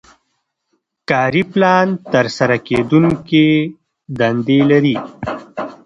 کاري پلان ترسره کیدونکې دندې لري.